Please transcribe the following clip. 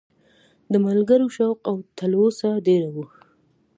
د ملګرو شوق او تلوسه ډېره وه.